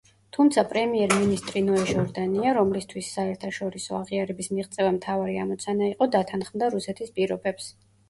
თუმცა პრემიერ-მინისტრი ნოე ჟორდანია, რომლისთვის საერთაშორისო აღიარების მიღწევა მთავარი ამოცანა იყო, დათანხმდა რუსეთის პირობებს.